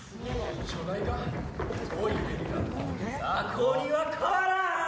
雑魚には変わらん！